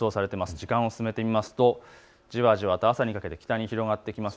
時間を進めてみますとじわじわと北へ広がっていきます。